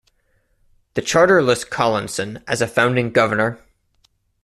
The charter lists Collinson as a founding governor.